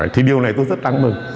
thì điều này tôi rất đáng mừng